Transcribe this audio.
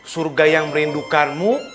surga yang merindukanmu